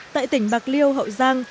tại tỉnh bạc liêu hậu giang